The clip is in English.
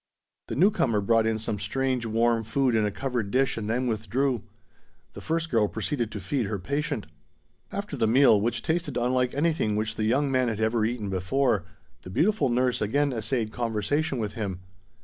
The newcomer brought in some strange warm food in a covered dish and then withdrew. The first girl proceeded to feed her patient. After the meal, which tasted unlike anything which the young man had ever eaten before, the beautiful nurse again essayed conversation with him.